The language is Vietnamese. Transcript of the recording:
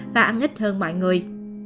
và ăn ít hơn mọi người